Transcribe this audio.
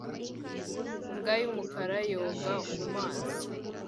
Imbwa y'umukara yoga mu mazi